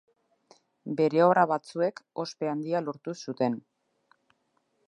Bere obra batzuek ospe handia lortu zuten.